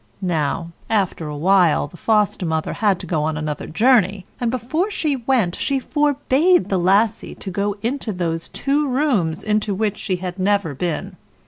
Now, after a while, the Foster mother had to go on another journey; and, before she went, she forbade the Lassie to go into those two rooms into which she had never been.